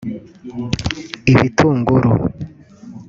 ibitunguru